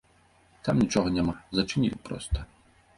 Там нічога няма, зачынілі проста.